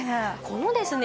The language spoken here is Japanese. このですね